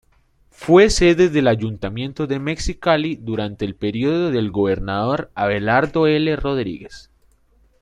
Fue sede del Ayuntamiento de Mexicali durante el período del Gobernador Abelardo L. Rodríguez.